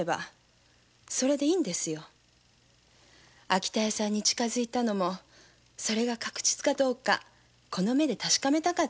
秋田屋さんに近づいたのもそれが確実かどうかこの目で確かめたかっただけ。